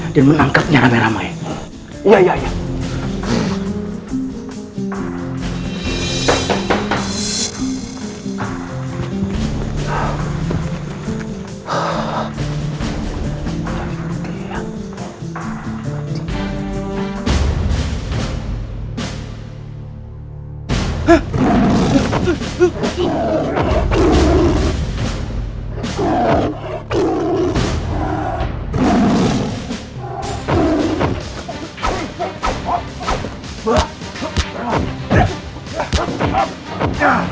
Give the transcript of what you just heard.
dan menangkapnya ramai ramai iya ya